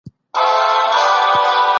د دې هېواد د پرمختګ او ترقۍ د مخنیوي سبب سول.